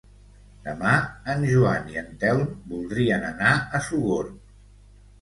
Demà en Joan i en Telm voldrien anar a Sogorb.